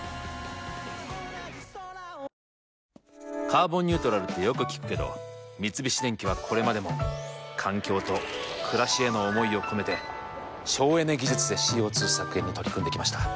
「カーボンニュートラル」ってよく聞くけど三菱電機はこれまでも環境と暮らしへの思いを込めて省エネ技術でＣＯ２削減に取り組んできました。